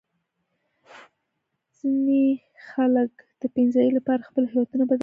ځینې خلک د پټنځای لپاره خپلې هویتونه بدلوي.